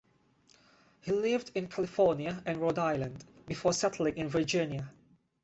He lived in California and Rhode Island before settling in Virginia.